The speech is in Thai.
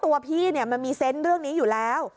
ตัวพี่มันมีเซนต์เรื่องนี้อยู่แล้ว